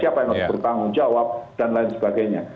siapa yang harus bertanggung jawab dan lain sebagainya